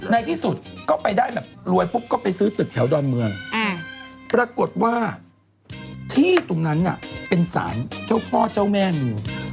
ในที่สุดก็ไปได้แบบรวยปุ๊บก็ไปซื้อตึกแถวดอนเมืองปรากฏว่าที่ตรงนั้นน่ะเป็นสารเจ้าพ่อเจ้าแม่งู